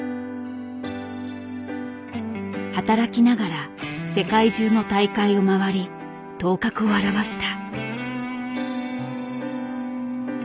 働きながら世界中の大会を回り頭角を現した。